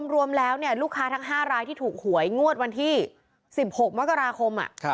รวมแล้วลูกค้าทั้ง๕รายที่ถูกหวยงวดวันที่๑๖มกราคม